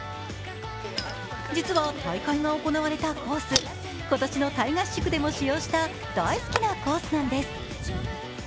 実は、大会が行われたコース、今年のタイ合宿でも使用した大好きなコースなんです。